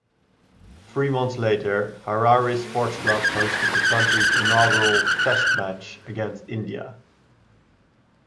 Three months later, Harare Sports Club hosted the country's inaugural Test match, against India.